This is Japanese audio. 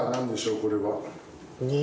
これは。